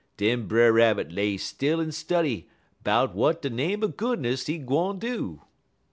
Den Brer Rabbit lay still en study 'bout w'at de name er goodness he gwine do.